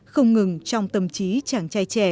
không ngừng trong tâm trí chàng trai trẻ